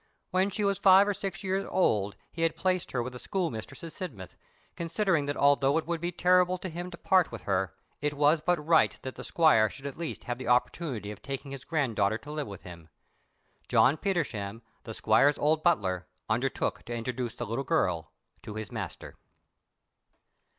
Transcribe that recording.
When she was five or six years old he had placed her with a school mistress at Sidmouth, considering that although it would be terrible to him to part with her, it was but right that the squire should at least have the opportunity of taking his granddaughter to live with him. John Petersham, the squire's old butler, undertook to introduce the little girl to his master.